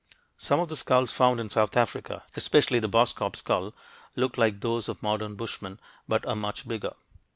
Some of the skulls found in South Africa, especially the Boskop skull, look like those of modern Bushmen, but are much bigger.